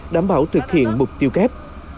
đảm bảo thực hiện mục tiêu kép